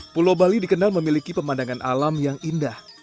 pulau bali dikenal memiliki pemandangan alam yang indah